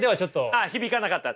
ああ響かなかった？